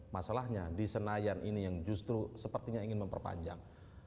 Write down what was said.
masalahnya di senayan ini yang justru sepertinya ingin memperpanjang